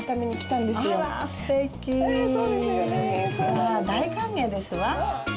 わ大歓迎ですわ。